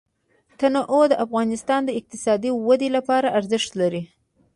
تنوع د افغانستان د اقتصادي ودې لپاره ارزښت لري.